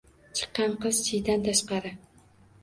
Chiqqan qiz chiydan tashqari